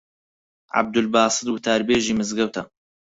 عەبدولباست وتاربێژی مزگەوتە